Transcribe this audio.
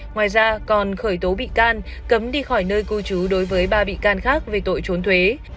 ngoài ra còn khởi tố bị can cấm đi khỏi nơi cư trú đối với ba bị can khác về tội trốn thuế